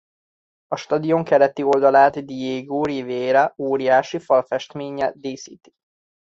A stadion keleti oldalát Diego Rivera óriási falfestménye díszíti.